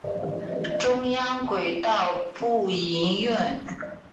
中央轨道不营运。